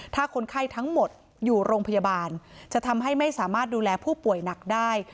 ถ้าคนไข้ทั้งหมดอยู่โรงพยาบาลจะทำให้ไม่สามารถดูแลผู้ป่วยหนักได้